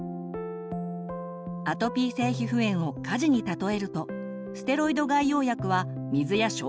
アトピー性皮膚炎を火事に例えるとステロイド外用薬は水や消火剤。